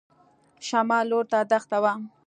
شمال لور ته دښته وه.